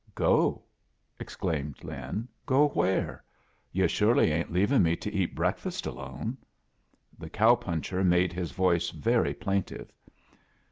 "Go?" exclaimed Lin. "Go where? Yo' sorely ain't leavin' me to eat break fast alone?" The cow puncher made hia vdce very plaintive.